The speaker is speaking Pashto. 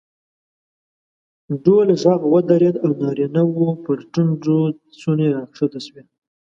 ډول غږ ودرېد او نارینه وو پر ټنډو څڼې راکښته شوې.